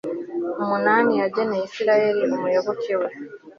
umunani yageneye israheli, umuyoboke we